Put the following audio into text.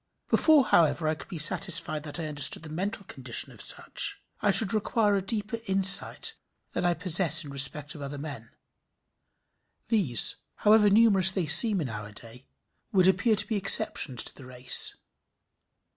Before, however, I could be satisfied that I understood the mental condition of such, I should require a deeper insight than I possess in respect of other men. These, however numerous they seem in our day, would appear to be exceptions to the race.